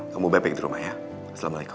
kamu baik baik di rumah ya assalamualaikum